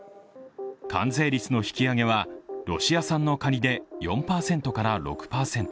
関税率の引き上げはロシア産のカニで４％から６％。